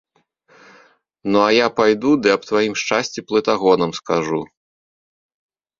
Ну, а я пайду ды аб тваім шчасці плытагонам скажу.